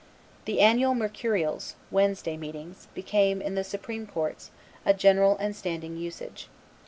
The annual Mercurials (Wednesday meetings) became, in the supreme courts, a general and standing usage.